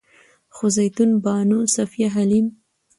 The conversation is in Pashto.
خو زيتون بانو، صفيه حليم